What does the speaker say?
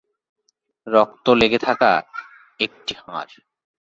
রক্ত লেগে থাকা একটি হাড়।